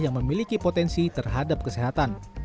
yang memiliki potensi terhadap kesehatan